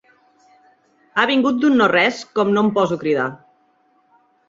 Ha vingut d'un no res com no em poso a cridar.